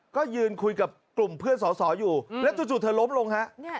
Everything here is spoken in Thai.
ก็ยืนคุยกับกลุ่มเพื่อนสอสออยู่แล้วจู่เธอล้มลงฮะ